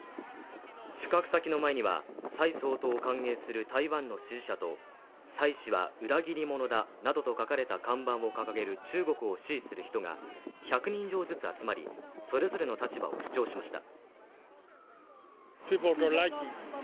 宿泊先の前には蔡総統を歓迎する台湾の支持者と、「蔡氏は裏切り者だ」などと書かれた看板を掲げる中国を支持する人が１００人以上ずつ集まりそれぞれの立場を主張しました。